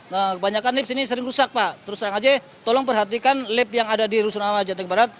kebanyakan lift di sini sering rusak pak terus terang saja tolong perhatikan lift yang ada di rusun jateng barat